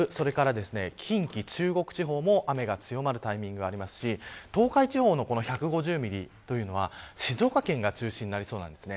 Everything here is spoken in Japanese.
北陸、近畿、中国地方も雨が強まるタイミングがありますし東海地方の１５０ミリというのは静岡県が中心になりそうです。